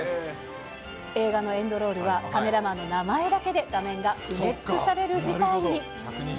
映画のエンドロールはカメラマンの名前だけで画面が埋め尽くされる事態に。